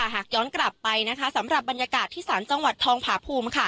หากย้อนกลับไปสำหรับบรรยากาศที่ศาลจังหวัดทองผาภูมิ